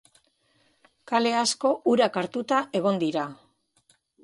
Kale asko urak hartuta egon dira.